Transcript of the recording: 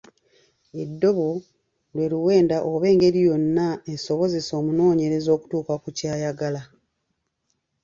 Eddobo lwe luwenda oba engeri yonna esobozesa omunoonyereza okutuuka ku ky’ayagala.